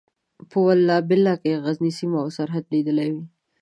په والله بالله که یې غزنۍ سیمه او سرحد لیدلی وي.